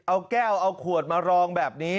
เอาแก้วเอาขวดมารองแบบนี้